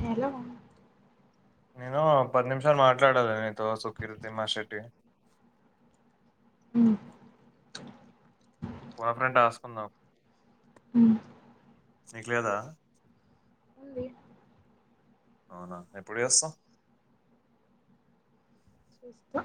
Hello నేను పది నిమిషాలు మాట్లాడాలి నీతో సుకీర్తిమ్మాశెట్టి. ఉమ్ బ ఫ్రెండ్ ఆసుకుందాము. ఉమ్ నీకు లేదా. ఉమ్ లేదు. అవునా ఎప్పుడు చేస్తావ్. వ్వా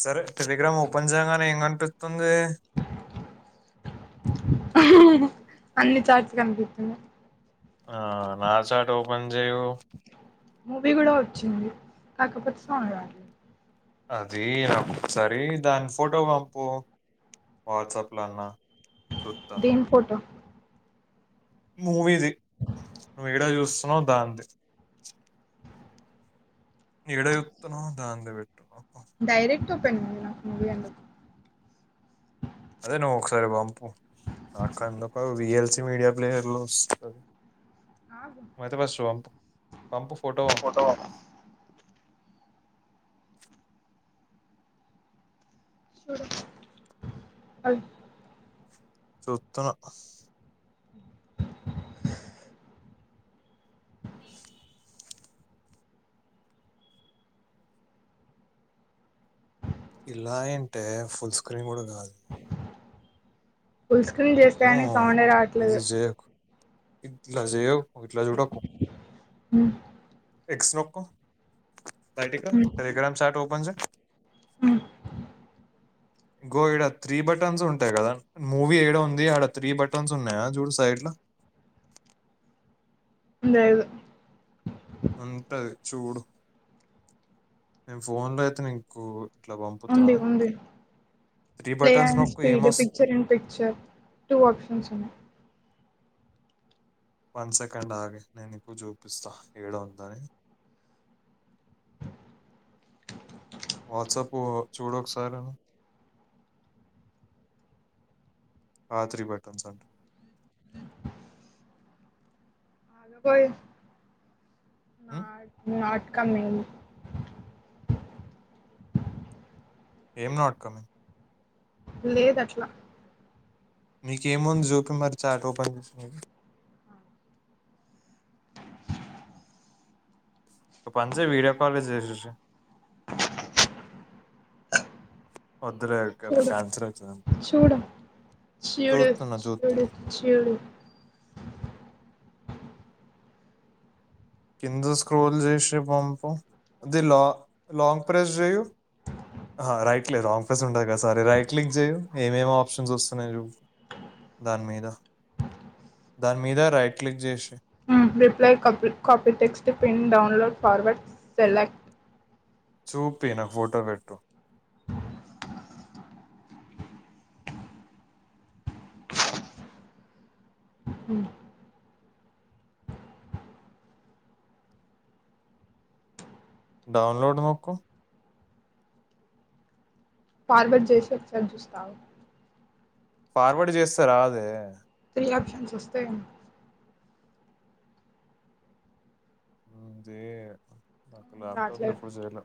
సరే టెలిగ్రామ్ ఓపెన్ చేయగానే ఏం కనిపిస్తుంది. ఉమ్ అన్ని చార్ట్స్ కనిపిస్తున్నాయి. ఆహ్ నా చాట్ ఓపెన్ చెయ్యు. మూవీ కూడా వచ్చింది కాకపోతే సౌండ్ రావట్లేదు. ఆహ్ జీ ఒకసారి దాని ఫోటో పంపు వాట్సప్ లో అన్న చూస్తా దేని ఫోటో. మూవీది నువ్వు ఏడ చూస్తు మో దాంధీ. ఏడ చూస్తున్నవ్ దాందే పెట్టు. నాకు డైరెక్ట్ ఓపెన్ అయింది నాకు మూవీ అందులో అదే నువ్వు ఒకసారి పంపు నాకందాది V L C video player లో వస్తది. ఆగు నువ్వు అయితే ఫస్ట్ పంపు. పంపు ఫోటో పంపు. చూడు ఓయ్. చుస్తున్న. ఇలా ఏంటే ఫుల్ స్క్రీన్ కూడా ఉంది నాది. ఫుల్ స్క్రీన్ చేస్తే నో గాని సౌండే రావట్లేదు. ఇది చేయకు ఇట్లా చేయకు ఇట్లా చూడకు. మ్ ఎక్స్ నొక్కు బయటికి రా టెలిగ్రామ్ చార్ట్ ఓపెన్ చెయ్ మ్ ఇగ్గో ఈడ త్రీ బటన్స్ ఉంటాయి కదా మూవీ ఏడ ఉంది ఆక్కడ త్రీ బటన్స్ ఉన్నాయా చూడు సైడ్లా లేదు ఉంటది చూడు నేను ఫోన్లో అయితే నీకు ఇట్లా పంపుతున్నా ఉంది ఉంది త్రీ ప్లే బటన్స్ అండ్ నొక్కు స్పీడ్ ఏమొస్ picture and picture two options ఉన్నాయి. వన్ సెకండ్ ఆగే నేను నీకు చూపిస్తా ఏడ ఉందని వాట్సాపు చూడు ఒకేసారి అను ఆ త్రి బటన్స్ అంటున్న ఆగపొయ్ నాట్ నాట్ కమింగ్ ఏం నాట్ కమింగ్ లేదు అట్లా మీకేముంది జూపి మరి చార్ట్ ఓపెన్ చేసి మరి ఓ పని చెయ్ వీడియోకాలే చేసేసెయ్ వద్దులే సూడు క్యాన్సిల్ అవుతుందని చూడ చూడు చూస్తున్నా చూడు చూస్తున్నా చూడు కింద స్క్రోల్ చేసి పంపు అది లా లాంగ్ ప్రెస్ చెయ్యు అహ రైట్ లేదు లాంగ్ ప్రెస్ ఉండదు కదా సారీ రైట్ క్లిక్ చేయు ఏమేమి ఆప్షన్స్ వస్తున్నాయి చూపు దాని మీద దాని మీద రైట్ క్లిక్ చేసి, మ్ రిప్లై, కప్ copy text, pin download, forward, select చూపి నాకు ఫోటో పెట్టు. మ్మ్ డౌన్లోడ్ నొక్కు ఫార్వర్డ్ జేసి ఒకసారి జూస్త ఆగు. ఫార్వర్డ్ చేస్తే రాదే త్రీ ఆప్షన్స్ వస్తయేమో అదే నాకు లాప్టాప్ రాట్లేదు ఎప్పుడు జెయల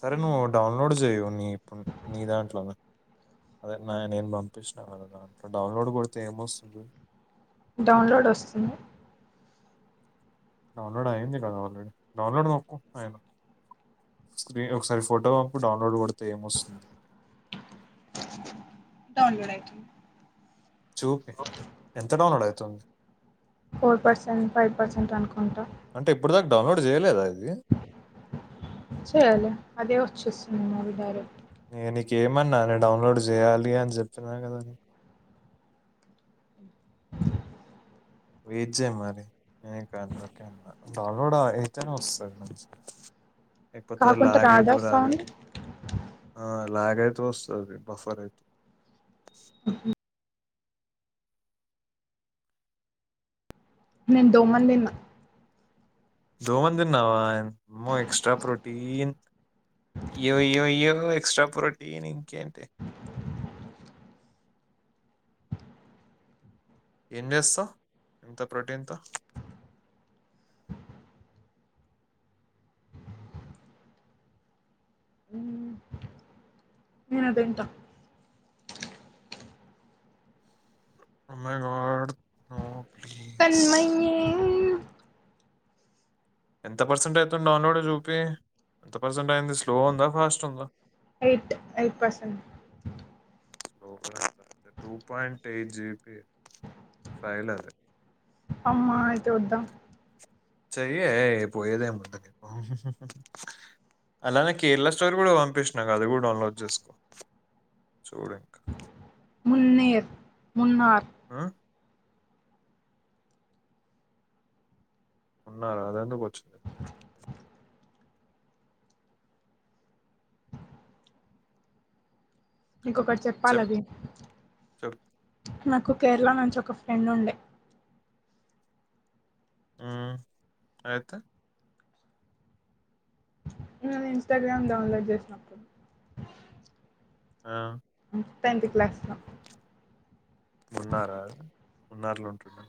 సరే నువ్వు డౌన్లోడ్ చేయు నీ నీ దాంట్లోనే అదే న నేను పంపించినా కదా దంట్లో డౌన్లోడ్ కొడితే ఏమొస్తుంది జూడు డౌన్లోడ్ వస్తుంది. డౌన్లోడ్ అయింది కదా ఆల్రెడీ డౌన్లోడ్ నొక్కు అయిన, స్క్రీన్ ఒకసారి ఫోటో పంపు డౌన్లోడ్ కొడితే ఏమొస్తుంది. డౌన్లోడైతుంది చూపి ఎంత డౌన్లోడ్ అయి తుంది ఫోర్ పర్సెంట్, ఫైవ్ పర్సెంట్ అనుకుంటా. అంటే ఇప్పుడు దాకా డౌన్లోడ్ చేయలేదా ఇద్ సర్లే అదే చుస్తున్నావా మావి గారు నే నికేమన్నా డౌన్లోడ్ చేయాలి అని చెప్పిన కదా న వెయిట్ చేయ్ మరి ఏం కాదు డౌన్లోడ్ ఏతేనా వస్తుంది మంచి ఎయిపోతూ కాకుంటే రాధా లాగైతు సౌండ్ లాగైతు ఆ ల్యాగ్ అయితే వస్తది బఫర్ అయితే అహం నేన్ దోమన్ దిన్నా దోమన్ దిన్నావా అమ్మో ఎక్స్ట్రా ప్రోటీన్ అయ్యోయోయో ఎక్స్ట్రా ప్రోటీన్ ఇంకేంటి ఏం చేస్తావ్ ఇంత ప్రోటీన్ తొ నేనుదింటా అమో అగడ్ తన్మయ్యే ఎంత పర్సెంట్ అవుతుంది డౌన్లోడ్ చూపి ఎంత పర్సెంట్ అయింది స్లో ఉందా ఫాస్ట్ ఉందా ఎయిట్ ఎయిట్ పర్సెంట్ లో two point eight GB file అది అమ్మా అయితే వద్దా చెయ్యే పోయేదేముంది నకు అలానే కేరళ స్టోర్ కూడా పంపిస్తున అది కూడా డౌన్లోడ్ చేసుకో చూడు ఇంకా మున్నేర్ మున్నార్ ఆ ఉన్నారు అదెందుకు వచ్చింది నీకొకటి చెప్పాలి చెప్ అబి చెప్ నాకు కేరళ నుంచి ఒక ఫ్రెండ్ ఉండే ఊమ్ అయితే ఇంస్టాగ్రామ్ డౌన్లోడ్ చేసినప్పు ఆ టెన్త్ క్లాస్ లో మున్నారా మున్నార్లో ఉంటున్నా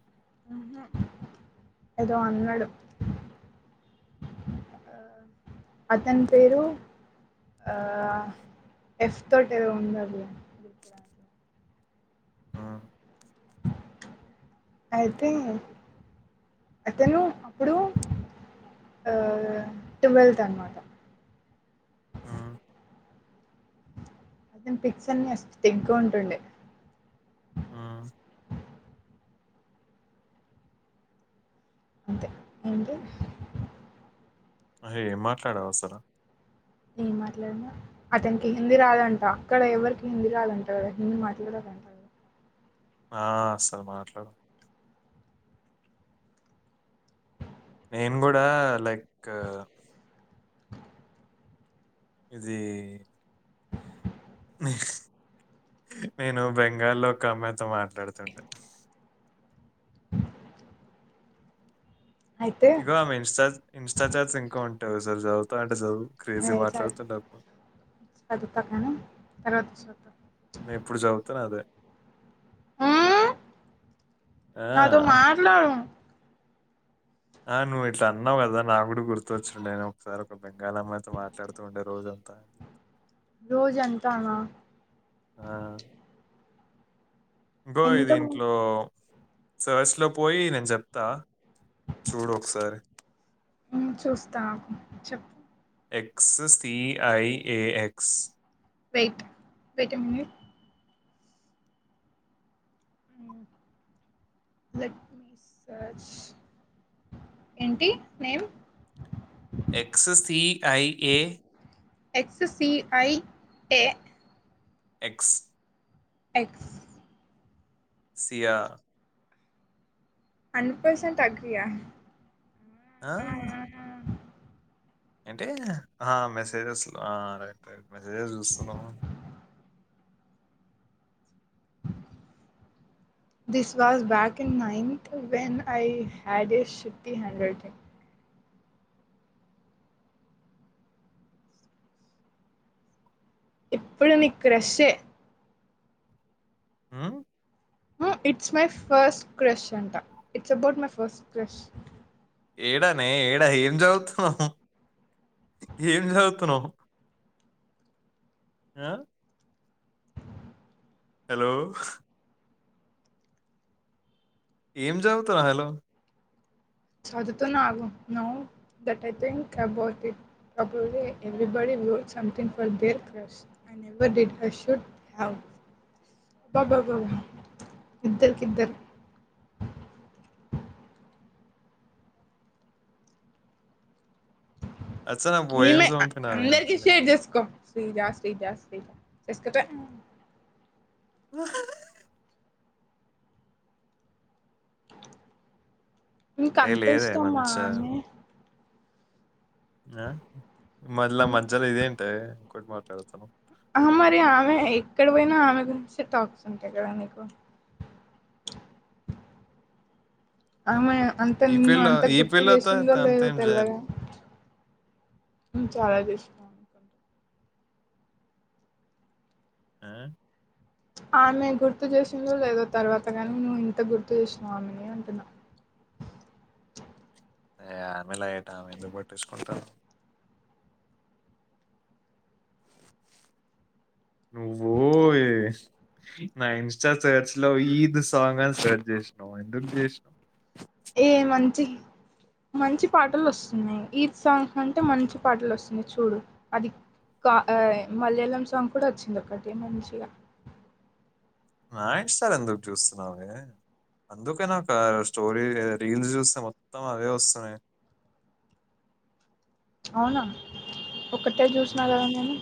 ఆ ఏదో అన్నాడు ఆ అతని పేరు ఆ ఎఫ్ తోటి ఉన్నాదిలే ఆ ఐ థింక్ అతను అప్పుడు ఆఆ ట్వెల్త్ అనమాట ఆమ్ అతని పిక్స అని తెగంటుండే ఊమ్ అంతే అంటే అరే ఏం మాట్లాడావసలు ఏం మాట్లాడినా అతనికి హిందీ రాదంటా అక్కడ ఎవరికి హిందీ రాదంటా కదా హిందీ మాట్లాడాలంట ఆ అసలు మాట్లాడు నేను కూడా లైక్ ఇదీ నేను బెంగాల్లో ఒక అమ్మాయితో మాట్లాడుతుంటా అయితే ఇగో ఆమె ఇన్స్టాల్ ఇన్స్టా చార్ట్ ఇంక ఉంట సఅఆ చదువుతా నా అసలు క్రేజీ చదువుతా మాట్లాడుతుండారు కానీ తర్వాత చూద్దాం నే ఎప్పుడు చవుతాను అదే ఆ! నాతో మాట్లాడు ఆ నువ్వు ఇట్లా అన్నావు కదా నా కూడా గుర్తొచ్చిండే నేను ఒకసారి ఒక బెంగాల్ అమ్మయితో మాట్లాడుతూ ఉండే రోజంతా రోజంతా నా ఆ! ఇగో ఇది ఇంట్లో సర్చ్లో పోయి నేను చెప్తా చూడు ఒకసారి. చూస్తా ఆగు చెప్పు X C I A X wait wait a minute let me search ఏంటి name X C I A X C I A X X సియా హండ్రెడ్ పర్సెంట్ తగ్గియా ఆ ఏంటీ ఆ మెసేజెస్లో ఆ రైట్ రైట్ మెసేజెస్ చూస్తున్నావ this was back in ninth when I had is షుటీ handle thing ఇప్పుడు నీకు క్రషే మ్ ఇట్స్ మై ఫస్ట్ క్రష్ అంటా it's about my first crush ఏడానే ఏడా ఏం చదువుతున్నవ్ ఏం చదువుతున్నవ్ ఆ హలో ఏం చదుతున్నావ్ హలో చదుతున్న ఆగు now that I think about it అబోలే everybody world something for their crush I never did should have అబ్బబబ్బ ఇద్దరికిద్దరు అచ్చా నాకు ఈమె పోయెమ్స్ ఆ పంపినానే ఈ అందరికీ పిల్లకి. షేర్ చేసుకో జాస్మిన్ జాస్మిన్ చేసుకుంటా హమ్ మీకు ఏ అంత లేదే ఇష్టమా మంచిగా అని ఆ మల్ల మధ్యలో ఇదేంటే [unintelligible] మాట్లాడతము ఆహా మరి ఆమె ఎక్కడ పోయినా ఆమె గురించే టాక్స్ ఉంటాయి కదా నీకు ఆ అమ్మాయి అంత ఈ నిన్ను పిల్ల అంత ఈ గుర్తు పిల్లతో చేసిందో లేదో అంతేం చేయాలి. తెల్లేగా హమ్ చాలా తెలుసు ఆ ఆమె గుర్తు చేసిందో లేదో తర్వాత గాని నువ్వు ఇంత గుర్తు చేసినావ్ ఆమెని అంటున్నా ఏ ఆ పిల్ల లైట్ ఆమె ఎందుకు పట్టించుకుంటావు నువ్వు వేస్ట్ నా ఇన్స్టా సర్చ్ లో ఈద్ సాంగ్ అని సెర్చ్ చేసాం ఎందుకు చేసాం ఏ మంచి మంచి పాటలు వస్తున్నాయి ఈద్ సాంగ్ అంటే మంచి పాటలు వస్తున్నాయి చూడు అది కా మలయాళం సాంగ్ కూడా వచ్చింది ఒకటి మంచిగా నాయిట్ స్టార్ ఎందుకు చూస్తున్నావ్ అందుకనా స్టోరీ రీల్స్ చూస్తే మొత్తం అవే వస్తున్నాయి అవునా ఒకటే చూసిన ఉమ్, కదా నేను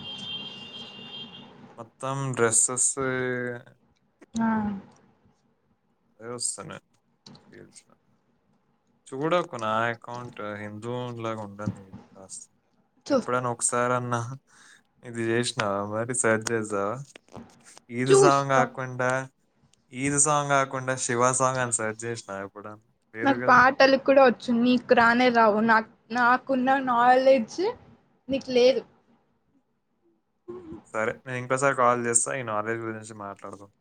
మొత్తం డ్రెస్సస్స్ ఎ ఆ అదే వస్తున్నాయి చూడకు నాయకౌంట్ హిందూ ఇలాగా ఉండని ఇది కాస్త చూస్తా ఎప్పుడైన్నా ఒకసారి అన్నా ఇది చేసినావా మరి సరి చేసావా ఈద్ సాంగ్ చూస్తా గాకుండా ఈదు సాంగ్ గాకు కొండ శివ సాంగ్ అని సెర్ట్ చేసనా వ నాకు పాటలు కూడా వచ్చు నీకు రానే రావు నాకు నాకున్న నాలెడ్జ్ నీకు లేదు సరే నేను ఇంకోసారి కాల్ చేస్తా ఈ నాలెడ్జ్ గురించి మాట్లాడుదాం